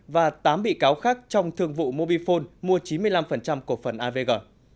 và tám bị cáo khác trong thường vụ mobifone mua chín mươi năm của phần avg